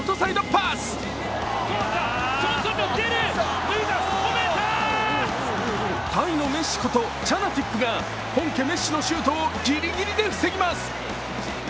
パリのメッシこと、チャナティップが本家メッシのシュートをぎりぎりで防ぎます。